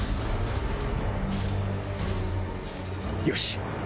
よし！